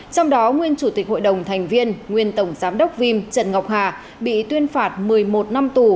trong đó nguyên chủ tịch hội đồng thành viên nguyên tổng giám đốc vim trần ngọc hà bị tuyên phạt một mươi một năm tù